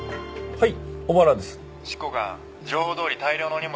はい。